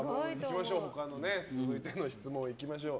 続いての質問いきましょう。